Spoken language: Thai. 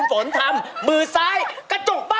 กล่าดราบ